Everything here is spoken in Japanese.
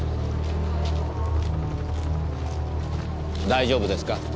大丈夫ですか？